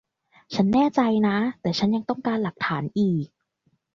ฉันแน่ใจนะ แต่ฉันยังต้องการหลักฐานอีก